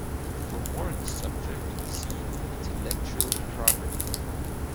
For more on this subject, see "intellectual property".